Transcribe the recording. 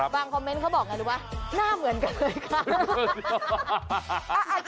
บางคอมเม้นต์เขาบอกอ่ะหน้าเหมือนกันเลยค่ะ